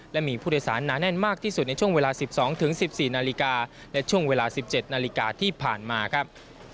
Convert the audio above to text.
และมีผู้โดยสารหนาแน่นมากที่สุดในช่วงเวลา๑๒๑๔นาฬิกาและช่วงเวลา๑๗นาฬิกาที่ผ่านมาครับ